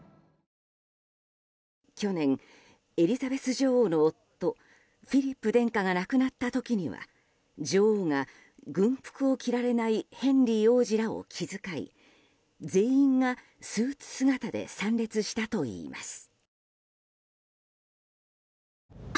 去年、エリザベス女王の夫フィリップ殿下が亡くなった時には女王が軍服を着られないヘンリー王子らを気遣い全員がスーツ姿で参列したといいます。